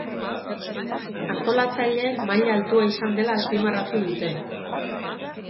Antolatzaileek maila altua izan dela azpimarratu dute.